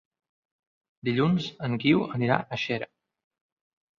Dilluns en Guiu anirà a Xera.